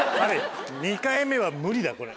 ２回目は無理だこれ。